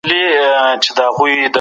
حضوري زده کړه ګډ تمرينونه آسانه کوي.